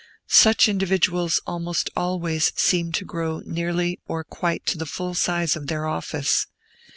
Such individuals almost always seem to grow nearly or quite to the full size of their office.